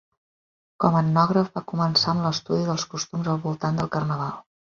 Com etnògraf, va començar amb l'estudi dels costums al voltant del carnaval.